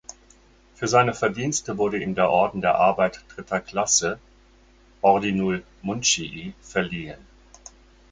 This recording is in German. Für seine Verdienste wurde ihm der Orden der Arbeit Dritter Klasse "(Ordinul Muncii)" verliehen.